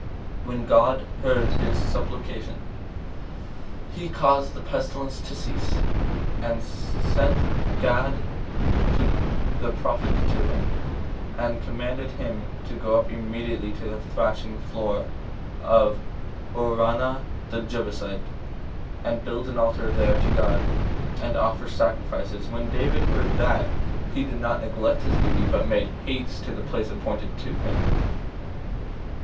4. When God heard his supplication, he caused the pestilence to cease, and sent Gad the prophet to him, and commanded him to go up immediately to the thrashing floor of Araunah the Jebusite, and build an altar there to God, and offer sacrifices. When David heard that, he did not neglect his duty, but made haste to the place appointed him.